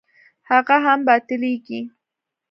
هغه هم باطلېږي.